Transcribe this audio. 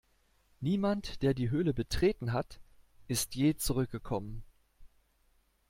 Niemand, der die Höhle betreten hat, ist je zurückgekommen.